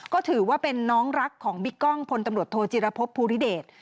ก็ถือว่าเป็นน้องรักของบิ๊กกล้องพลตำรวจโทจิรพบภูริเดช